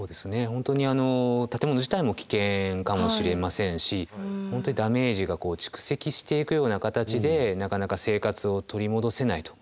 本当に建物自体も危険かもしれませんし本当にダメージが蓄積していくような形でなかなか生活を取り戻せないと。